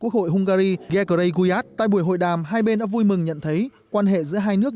quốc hội hungary ghekray guit tại buổi hội đàm hai bên đã vui mừng nhận thấy quan hệ giữa hai nước